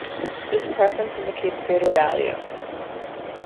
This preference indicates greater value.